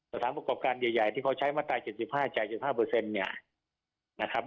สถานประกอบการใหญ่ใหญ่ที่เขาใช้มาตายเจ็บสิบห้าจ่ายเจ็บห้าเปอร์เซ็นต์เนี้ยนะครับ